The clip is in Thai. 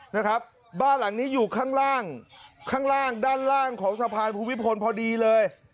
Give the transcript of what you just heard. นะครับบ้านหลังนี้อยู่ข้างล่างข้างล่างด้านล่างของสะพานภูมิพลพอดีเลย